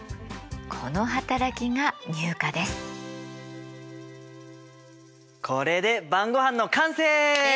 この働きがこれで晩ごはんの完成！